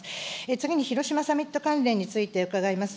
次に、広島サミット関連について伺います。